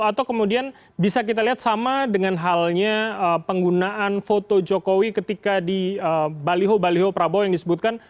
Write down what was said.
atau kemudian bisa kita lihat sama dengan halnya penggunaan foto jokowi ketika di baliho baliho prabowo yang disebutkan